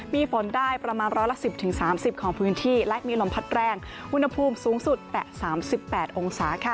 มีฝนได้ประมาณร้อยละ๑๐๓๐ของพื้นที่และมีลมพัดแรงอุณหภูมิสูงสุดแต่๓๘องศาค่ะ